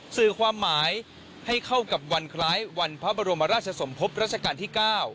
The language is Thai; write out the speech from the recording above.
สื่อความหมายให้เข้ากับวันคล้ายวันพระบรมราชสมภพรัชกาลที่๙